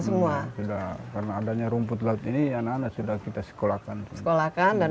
semua sudah karena adanya rumput laut ini anak anak sudah kita sekolahkan sekolahkan dan